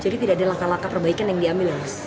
jadi tidak ada langkah langkah perbaikan yang diambil ya mas